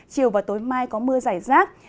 chiều và tối mai có mưa rải rác